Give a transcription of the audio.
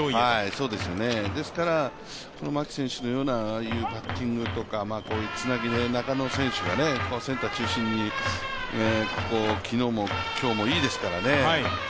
ですから、牧選手のようなバッティングとか、こういう、つなげる中野選手がセンター中心に昨日も今日もいいですからね。